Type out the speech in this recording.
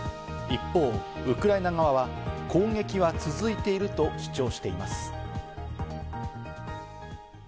一方、ウクライナ側は攻撃は続いていると主張しています。